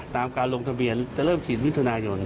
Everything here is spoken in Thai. การลงทะเบียนจะเริ่มฉีดมิถุนายน